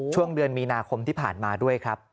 ช่วงเดือนมีนาคมที่ผ่านมาด้วยครับ